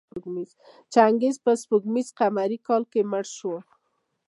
چنګیز په سپوږمیز قمري کال کې مړ شو.